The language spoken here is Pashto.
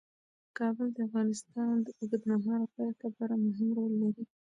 کابل د افغانستان د اوږدمهاله پایښت لپاره مهم رول لري.